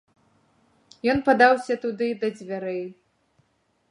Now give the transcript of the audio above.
Ён падаўся туды да дзвярэй.